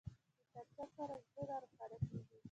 کتابچه سره زړونه روښانه کېږي